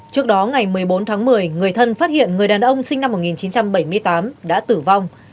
trước đó ngày một mươi bốn tháng một mươi người thân phát hiện người đàn ông sinh năm một nghìn chín trăm bảy mươi tám đã tử vong